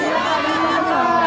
pak jangan pak